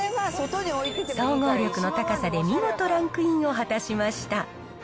総合力の高さで見事ランクインを果たしました。